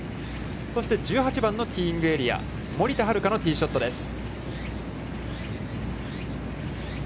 そして、１８番のティーイングエリア、森田遥のティーショットです。